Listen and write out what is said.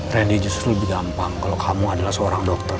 freddy justru lebih gampang kalau kamu adalah seorang dokter